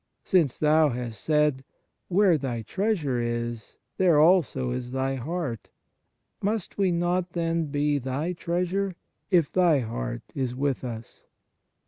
Since Thou hast said, Where thy treasure is, there also is thy heart, must we not then be Thy treasure, if Thy heart is with us